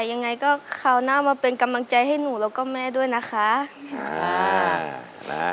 ยังไงก็คราวหน้ามาเป็นกำลังใจให้หนูแล้วก็แม่ด้วยนะคะ